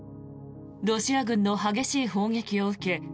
ロシア軍の激しい砲撃を受け